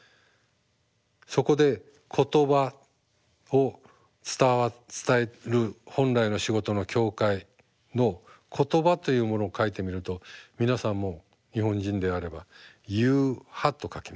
そこで言葉を伝える本来の仕事の教会の言葉というものを書いてみると皆さんも日本人であれば「言う」「葉」と書きます。